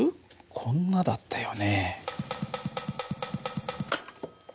こんなだったよね。